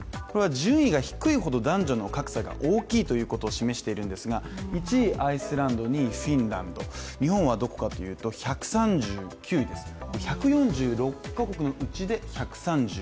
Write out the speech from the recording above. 順位が低いほど男女の格差が低いことを示していますが、１位・アイスランド、２位・フィンランド日本がどこかというと１３９位です、１４６か国のうちで１３９位。